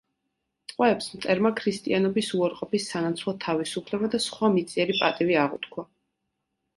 ტყვეებს მტერმა ქრისტიანობის უარყოფის სანაცვლოდ თავისუფლება და სხვა მიწიერი პატივი აღუთქვა.